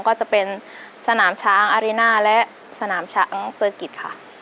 ก็จะเป็นสนามช้างอารีน่าและสนามช้างเฟอร์กิจค่ะ